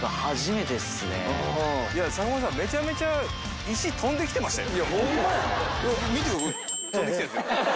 めちゃめちゃ飛んできましたよ